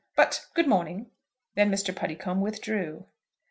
But, good morning." Then Mr. Puddicombe withdrew.